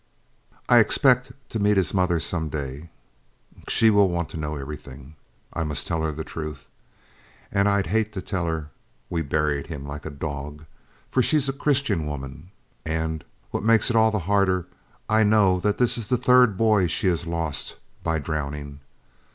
I expect to meet his mother some day. She will want to know everything. I must tell her the truth, and I'd hate to tell her we buried him like a dog, for she's a Christian woman. And what makes it all the harder, I know that this is the third boy she has lost by drowning.